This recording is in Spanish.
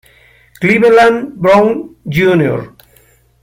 Cleveland Brown Jr.